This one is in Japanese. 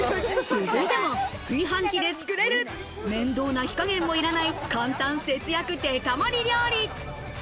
続いても炊飯器で作れる面倒な火加減もいらない簡単節約デカ盛り料理。